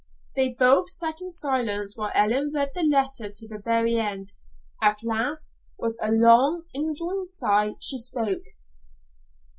They both sat in silence while Ellen read the letter to the very end. At last, with a long, indrawn sigh, she spoke.